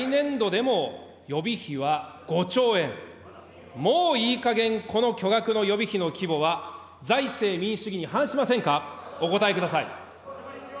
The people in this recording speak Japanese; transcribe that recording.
もういいかげん、この巨額の予備費の規模は財政民主主義に反しませんか、お答えください。